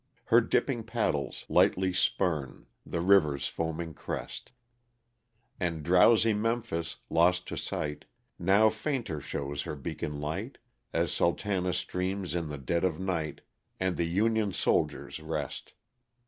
Her dipping paddles lightly spurn The river's foaming crest ; And drowsy Memphis, lost to sight, Now fainter shows her beacon light, As Sultana steams in the dead of night, And the Union soldiers rest.